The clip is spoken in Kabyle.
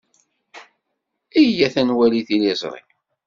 Iyyat ad nwali tiliẓri.